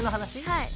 はい。